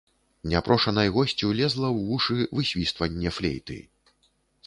Няпрошанай госцю лезла ў вушы высвістванне флейты.